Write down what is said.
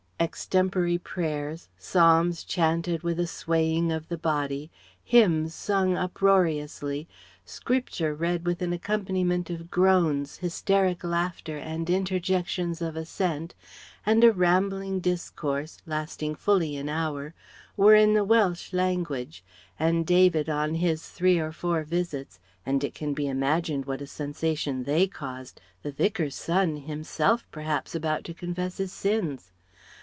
extempore prayers, psalms chanted with a swaying of the body, hymns sung uproariously, scripture read with an accompaniment of groans, hysteric laughter, and interjections of assent, and a rambling discourse lasting fully an hour, were in the Welsh language; and David on his three or four visits and it can be imagined what a sensation they caused! The Vicar's son himself perhaps about to confess his sins!